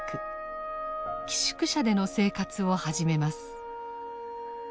寄宿舎での生活を始めます。